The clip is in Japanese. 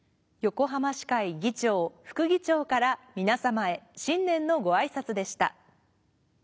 横浜市会議長・副議長から皆様へ新年のごあいさつでした。